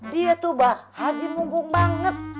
dia tuh mbah haji mumpung banget